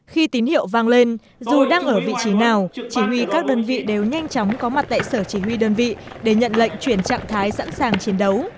khi tín hiệu vang lên dù đang ở vị trí nào chỉ huy các đơn vị đều nhanh chóng có mặt tại sở chỉ huy đơn vị để nhận lệnh chuyển trạng thái sẵn sàng chiến đấu